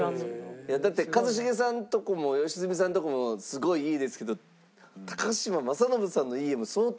いやだって一茂さんとこも良純さんとこもすごい家ですけど嶋政伸さんの家もえっすげえ！